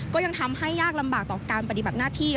ก็ยังทำให้ยากลำบากต่อการปฏิบัติหน้าที่